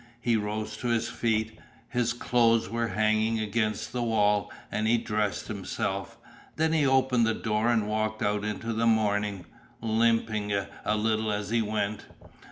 He rose to his feet. His clothes were hanging against the wall, and he dressed himself. Then he opened the door and walked out into the morning, limping a little as he went.